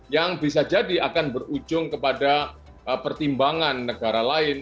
yang bisa jadi akan berujung kepada pertimbangan negara lain